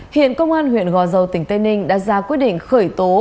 hiện công an huyện gò dầu tỉnh tây ninh đã ra quyết định khởi tố